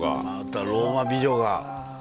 またローマ美女が。